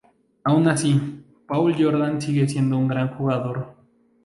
Aun así, Paul Jordan sigue siendo un gran jugador.